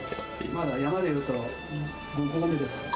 まだ山でいうと５合目ですか。